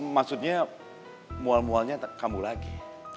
maksudnya mual mualnya kamu lagi